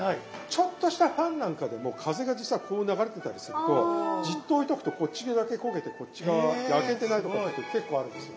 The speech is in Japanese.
ちょっとしたファンなんかでも風が実はこう流れてたりするとじっと置いとくとこっちだけ焦げてこっち側焼けてないってことが結構あるんですよ。